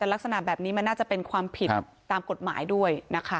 แต่ลักษณะแบบนี้มันน่าจะเป็นความผิดตามกฎหมายด้วยนะคะ